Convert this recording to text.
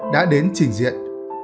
đã đến trình diện